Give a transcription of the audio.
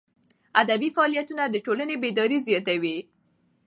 ادبي فعالیتونه د ټولني بیداري زیاتوي.